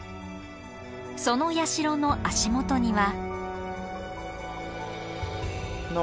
その社の足元には。